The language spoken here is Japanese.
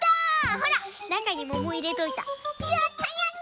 ほらなかにももいれといた。